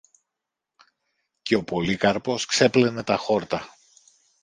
και ο Πολύκαρπος ξέπλενε τα χόρτα.